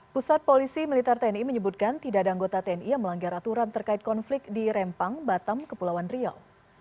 pusat polisi militer tni menyebutkan tidak ada anggota tni yang melanggar aturan terkait konflik di rempang batam kepulauan riau